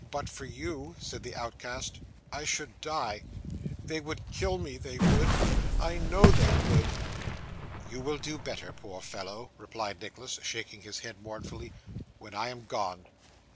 'But for you,' said the outcast, 'I should die. They would kill me; they would; I know they would.' 'You will do better, poor fellow,' replied Nicholas, shaking his head mournfully, 'when I am gone.